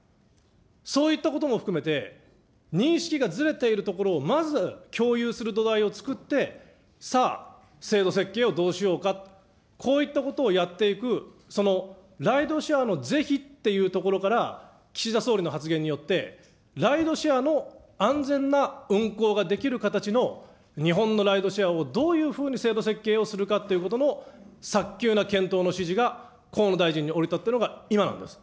そういったことも含めて、認識がずれているところを、まず共有する土台をつくって、さあ、制度設計をどうしようかって、こういったことをやっていくライドシェアの是非っていうところから岸田総理の発言によって、ライドシェアの安全な運行ができる形の日本のライドシェアをどういうふうに制度設計をするかということの早急な検討の指示が河野大臣に降りたっていうのが今なんです。